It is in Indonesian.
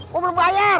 gua belum bayar